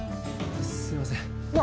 すいません